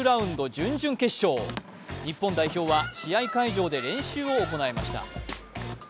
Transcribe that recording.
準々決勝、日本代表は試合会場で練習を行いました。